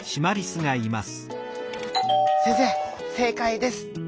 「先生正かいです」。